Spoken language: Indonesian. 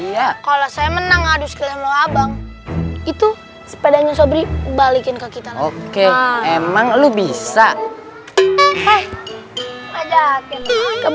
iya kalau saya menang aduh keren lo abang itu sepedanya sobre balikin ke kita oke emang lu bisa